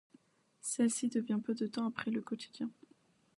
Celle-ci devient peu de temps après le quotidien '.